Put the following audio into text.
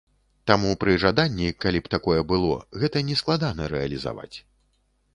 Таму пры жаданні, калі б такое было, гэта не складана рэалізаваць.